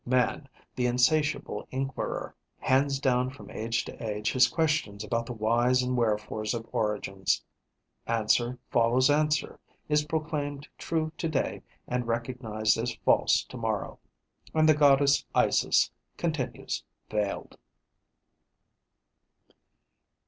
Man, the insatiable enquirer, hands down from age to age his questions about the whys and wherefores of origins. Answer follows answer, is proclaimed true to day and recognized as false tomorrow; and the goddess Isis continues veiled.